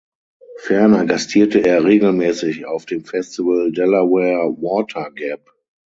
Ferner gastierte er regelmäßig auf dem Festival "Delaware Water Gap".